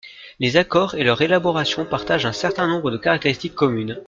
Les accords et leur élaboration partagent un certain nombre de caractéristiques communes.